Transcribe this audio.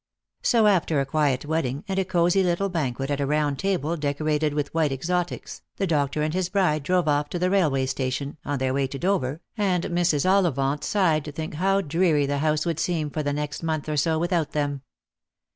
So after a quiet wedding, and a cosy little banquet at a round table decorated with white exotics, the doctor and his bride drove off to the railway station, on their way to Dover, and Mrs. Ollivant sighed to think how dreary the house would seem for the next month or so without them.